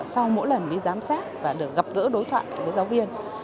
sau mỗi lần đi giám sát và được gặp gỡ đối thoại với giáo viên